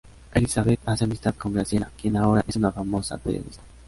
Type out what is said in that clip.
Elizabeth hace amistad con Graciela, quien ahora es una famosa periodista.